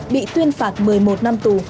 bị tuyên phạt một mươi một năm tù